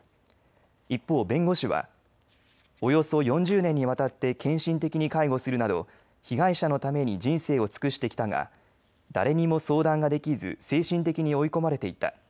一方、弁護士はおよそ４０年にわたって献身的に介護するなど被害者のために人生を尽くしてきたが誰にも相談ができず精神的に追い込まれていた。